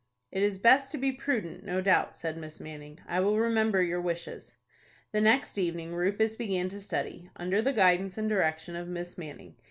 "It is best to be prudent, no doubt," said Miss Manning. "I will remember your wishes." The next evening, Rufus began to study, under the guidance and direction of Miss Manning.